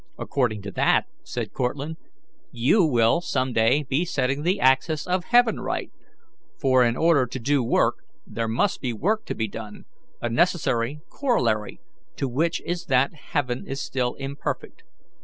'" "According to that," said Cortlandt, "you will some day be setting the axis of heaven right, for in order to do work there must be work to be done a necessary corollary to which is that heaven is still imperfect."